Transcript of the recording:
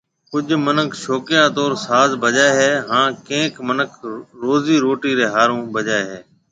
ڪجهه منک شوڪيا طور ساز بجائي هي هان ڪئينڪ منک روزي روٽي ري ۿارو بجائي هي